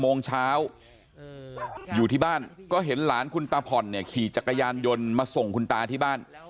โมงเช้าอยู่ที่บ้านก็เห็นหลานคุณตาผ่อนเนี่ยขี่จักรยานยนต์มาส่งคุณตาที่บ้าน